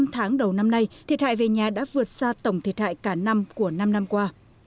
năm tháng đầu năm nay thiệt hại về nhà đã vượt xa tổng thiệt hại cả năm của năm năm qua